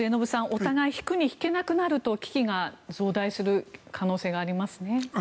お互い引くに引けなくなると危機が増大する可能性がありますね。